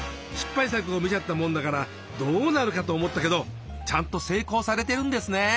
失敗作を見ちゃったもんだからどうなるかと思ったけどちゃんと成功されてるんですね。